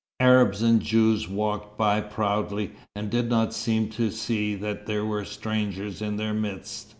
Arabs and Jews walked by proudly, and did not seem to see that there were strangers in their midst.